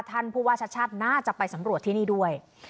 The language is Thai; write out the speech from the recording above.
ท่านผู้ว่าชัดน่าจะไปสำรวจที่นี่ด้วย